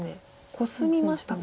コスみましたか。